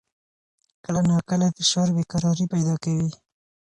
کله ناکله فشار بې قراري پیدا کوي.